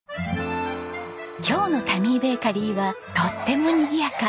今日のタミーベーカリーはとってもにぎやか。